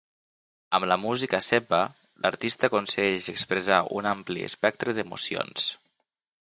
Amb la música Semba, l'artista aconsegueix expressar un ampli espectre d'emocions.